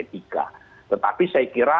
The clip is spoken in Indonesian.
tetapi saya kira